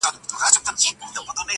په لكونو وه راغلي عالمونه .!